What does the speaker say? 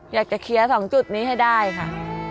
อยากจะเคลียร์๒จุดนี้ให้ได้ค่ะ